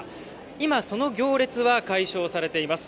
今、その行列は解消されています。